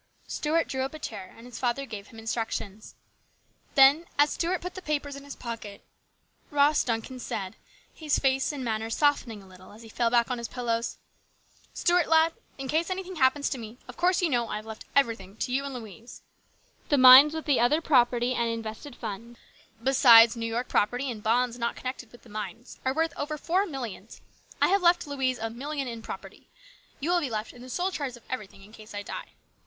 Stuart drew up a chair and his father gave him instructions. Then, as Stuart put the papers in his pocket, Ross Duncan said, his face and manner softening a little as he fell back on his pillows :" Stuart, lad, in case anything happens to me, of course you know I have left everything to you and Louise. The mines with other property and invested THE GREAT STRIKE. 85 funds, besides New York property, and bonds not connected with the mines, are worth over four millions. I have left Louise a million in property. You will be left in the sole charge of everything in case I die.